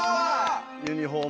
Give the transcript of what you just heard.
ユニホームに。